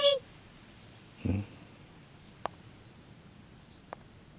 うん？